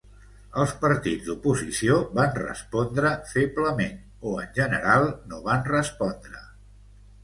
Els partits d'oposició van respondre feblement o en general no van respondre.